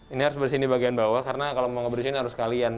ini harus bersih di bagian bawah karena kalau mau ngebersihin harus sekalian